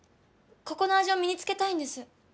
ここの味を身に付けたいんです。